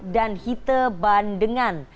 dan hite bandengan